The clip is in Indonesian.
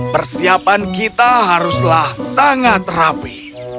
persiapan kita haruslah sangat rapi